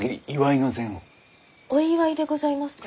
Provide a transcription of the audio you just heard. お祝いでございますか？